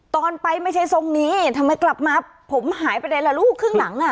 ตอนไปไม่ใช่ทรงนี้ทำไมกลับมาผมหายไปไหนล่ะลูกครึ่งหลังอ่ะ